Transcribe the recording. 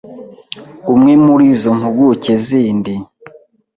Umwe muri izo mpuguke zindi